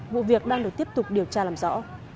vụ việc đang được tiếp tục điều tra làm rõ